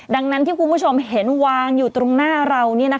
ดังนั้นที่คุณผู้ชมเห็นวางอยู่ตรงหน้าเรา